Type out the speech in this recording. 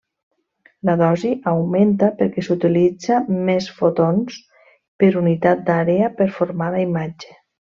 La dosi augmenta perquè s'utilitza més fotons per unitat d'àrea per formar la imatge.